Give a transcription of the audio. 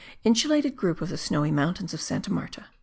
Insulated group of the Snowy Mountains of Santa Marta.